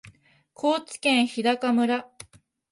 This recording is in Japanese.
高知県日高村